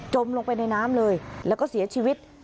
ลงไปในน้ำเลยแล้วก็เสียชีวิต